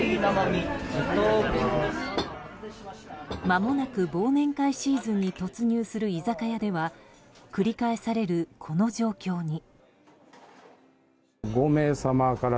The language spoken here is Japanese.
まもなく忘年会シーズンに突入する居酒屋では繰り返されるこの状況に。